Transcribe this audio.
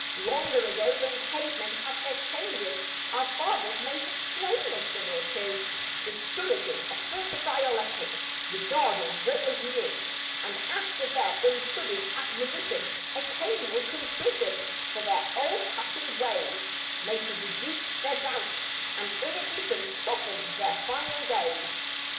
Longer ago than cave men had their changes Our fathers may have slain a son or two, Discouraging a further dialectic Regarding what was new; And after their unstudied admonition Occasional contrition For their old fashioned ways May have reduced their doubts, and in addition Softened their final days.